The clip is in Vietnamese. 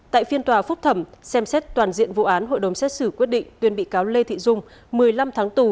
tại phiên tòa phúc thẩm xem xét toàn diện vụ án hội đồng xét xử quyết định tuyên bị cáo lê thị dung một mươi năm tháng tù